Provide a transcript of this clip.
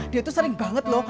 dia tuh sering banget loh